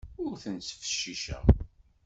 Ur ten-ttfecciceɣ.